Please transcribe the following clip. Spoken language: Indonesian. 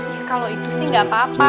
ya kalau itu sih gak apa apa